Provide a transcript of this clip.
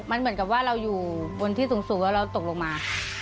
มันเหมือนกับว่าเราอยู่บนที่สูงแล้วเราตกลงมา